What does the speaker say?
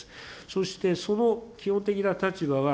そして、その基本的な立場は、